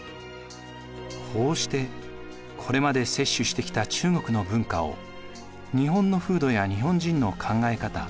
こうしてこれまで摂取してきた中国の文化を日本の風土や日本人の考え方